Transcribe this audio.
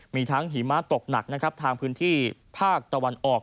มีทั้งหิมะตกหนักนะครับทางพื้นที่ภาคตะวันออก